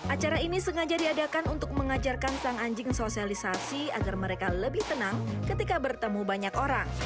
acara ini sengaja diadakan untuk mengajarkan sang anjing sosialisasi agar mereka lebih tenang ketika bertemu banyak orang